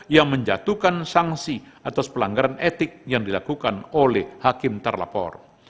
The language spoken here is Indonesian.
yang menjatuhkan sanksi atas pelanggaran etik yang dilakukan oleh hakim terlapor